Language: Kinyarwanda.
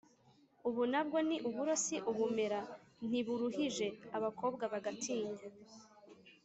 “Ubu na bwo ni uburo si ubumera?”(ntiburuhije). Abakobwa bagatinya